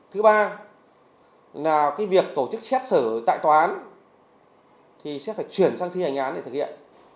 thứ ba việc tổ chức xét xử tại toán sẽ phải chuyển sang thi hành án để thực hiện